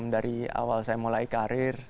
dari awal saya mulai karir